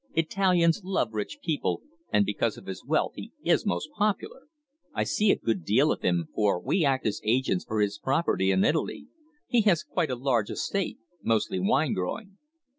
Italians love rich people, and because of his wealth he is most popular. I see a good deal of him, for we act as agents for his property in Italy. He has quite a large estate mostly wine growing."